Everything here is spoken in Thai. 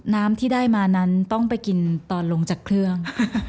น้ำที่ได้มานั้นต้องไปกินตอนลงจากเครื่อง